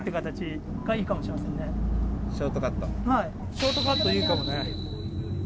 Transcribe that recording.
ショートカットいいかもね。